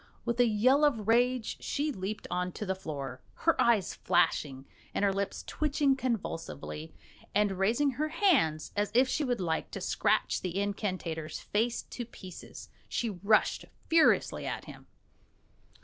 With a yell of rage she leaped on to the floor, her eyes flashing, and her lips twitching convulsively; and raising her hands as if she would like to scratch the incantator's face to pieces, she rushed furiously at him.